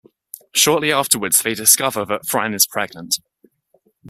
Shortly afterwards they discover that Fran is pregnant.